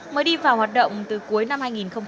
mới đi vào hoạt động từ cuối năm hai nghìn một mươi chín